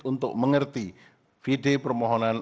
untuk mengerti vd permohonan